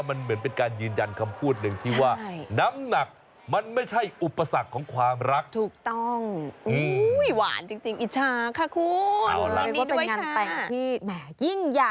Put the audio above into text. มันยิ่งใหญ่อบอุ่นแล้วก็น่ารักมากเลย